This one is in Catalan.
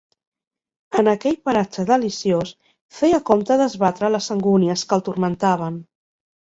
En aquell paratge deliciós feia compte d'esbatre les angúnies que el turmentaven.